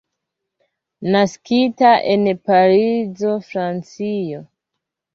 Naskita en Parizo, Francio.